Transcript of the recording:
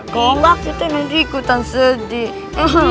kalau nggak kita ikutan sedih